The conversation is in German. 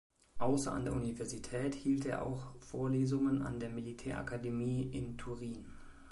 Außer an der Universität hielt er auch Vorlesungen an der Militärakademie in Turin.